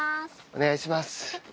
お願いします。